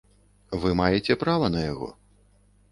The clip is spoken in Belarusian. Вы маеце права на яго.